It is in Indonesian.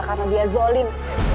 karena dia zolim